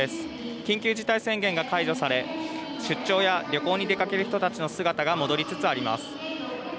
緊急事態宣言が解除され出張や旅行に出かける人たちの姿が戻りつつあります。